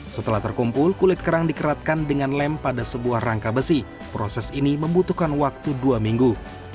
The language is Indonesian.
setelah terkumpul kulit kerang dikeratkan dengan lem pada sebuah rangka besi proses ini membutuhkan waktu dua minggu